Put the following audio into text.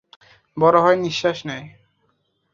বড় হয়, নিশ্বাস নেয়।